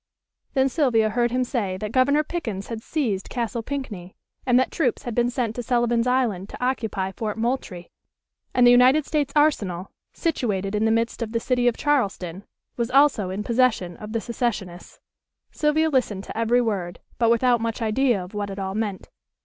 Then Sylvia heard him say that Governor Pickens had seized Castle Pinckney, and that troops had been sent to Sullivan's Island to occupy Fort Moultrie, and the United States Arsenal, situated in the midst of the city of Charleston, was also in possession of the secessionists. Sylvia listened to every word, but without much idea of what it all meant.